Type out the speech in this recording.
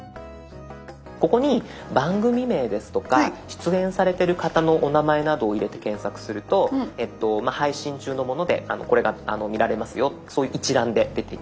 ここに番組名ですとか出演されてる方のお名前などを入れて検索すると配信中のものでこれが見られますよそういう一覧で出てきます。